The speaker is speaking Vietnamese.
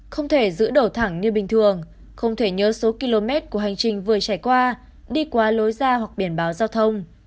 không thể giữ đổ thẳng như bình thường không thể nhớ số km của hành trình vừa trải qua đi qua lối ra hoặc biển báo giao thông